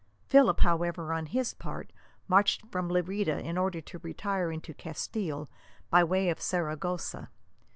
Philip, however, on his part, marched from Lerida in order to retire into Castile by way of Saragossa.